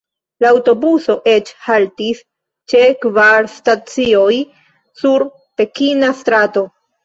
La aŭtobuso eĉ haltis ĉe kvar stacioj sur pekina strato.